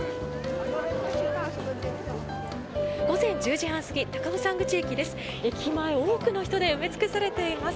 午前１０時半過ぎ高尾山口駅です。